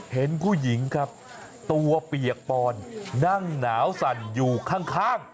เห็นตัวเปียกปอนด์นั่งหนาวสั่นอยู่ข้าง